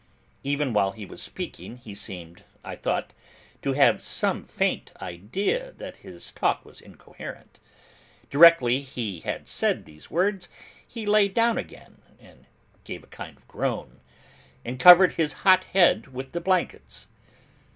Even while he was speaking he seemed, I thought, to have some faint idea that his talk was incoherent. Directly he had said these words, he lay down again; gave a kind of a groan; and covered his hot head with the blankets.